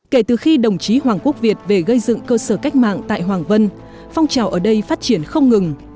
kể từ khi đồng chí hoàng quốc việt về gây dựng cơ sở cách mạng tại hoàng vân phong trào ở đây phát triển không ngừng